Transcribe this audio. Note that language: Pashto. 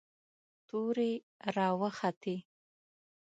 تورې را وختې.